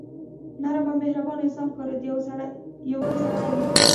نرم او مهربان انسان ښکارېده، یو ښه سړی و.